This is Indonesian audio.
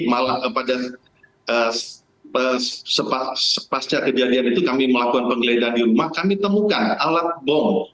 malah pada pasca kejadian itu kami melakukan penggeledahan di rumah kami temukan alat bom